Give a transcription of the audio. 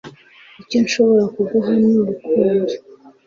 Icyo nshobora kuguha ni urukundo